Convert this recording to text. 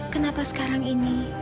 kenapa sekarang ini